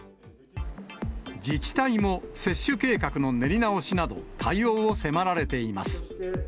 自治体も接種計画の練り直しなど、対応を迫られています。